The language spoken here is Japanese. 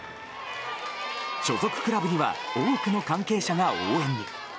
所属クラブには多くの関係者が応援に。